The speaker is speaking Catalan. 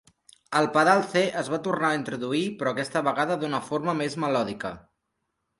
El pedal C es va tornar a introduir, però aquesta vegada d"una forma més melòdica.